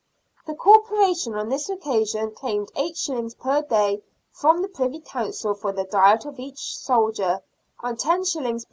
The Corporation on this occasion claimed 8d. per day from the Privy Council for the diet of each soldier, and los.